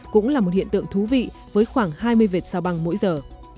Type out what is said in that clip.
cũng là một hiện tượng thú vị với khoảng hai mươi vệt sao băng mỗi giờ